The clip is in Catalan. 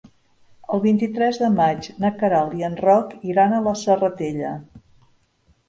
El vint-i-tres de maig na Queralt i en Roc iran a la Serratella.